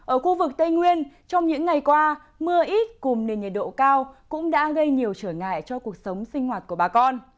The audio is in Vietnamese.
ở khu vực tây nguyên trong những ngày qua mưa ít cùng nền nhiệt độ cao cũng đã gây nhiều trở ngại cho cuộc sống sinh hoạt của bà con